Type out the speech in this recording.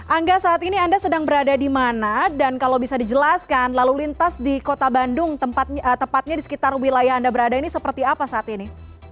angga saat ini anda sedang berada di mana dan kalau bisa dijelaskan lalu lintas di kota bandung tepatnya di sekitar wilayah anda berada ini seperti apa saat ini